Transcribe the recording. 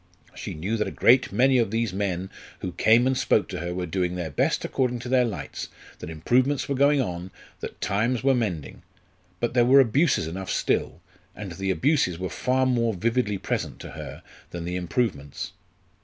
She knew that a great many of these men who came and spoke to her were doing their best according to their lights, that improvements were going on, that times were mending. But there were abuses enough still, and the abuses were far more vividly present to her than the improvements.